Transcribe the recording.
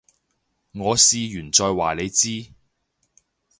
我試完再話你知